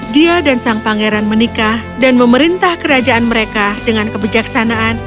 dia dan sang pangeran menikah dan memerintah kerajaan mereka dengan kebijaksanaan